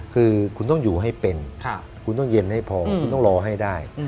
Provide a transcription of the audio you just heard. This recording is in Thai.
คือคุณต้องอยู่ให้เป็นคุณต้องเย็นให้พอคุณต้องรอให้ได้